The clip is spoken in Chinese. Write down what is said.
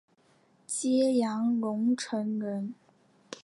揭阳榕城人。